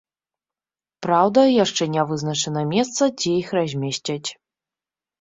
Праўда, яшчэ не вызначана месца, дзе іх размесцяць.